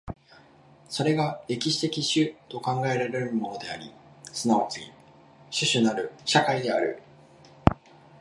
それが歴史的種と考えられるものであり、即ち種々なる社会である。